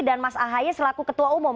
dan mas ahi selaku ketua umum